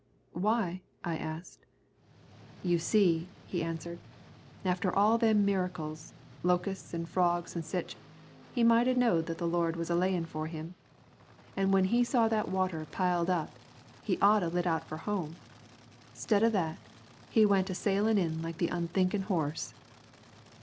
"Why?" I asked. "You see," he answered, "after all them miracles, locusts, an' frogs an' sich, he might a knowed the Lord was a layin' for him. An' when he saw that water piled up, he ought a lit out for home. 'Stead of that, he went asailin' in like the unthinkin' horse."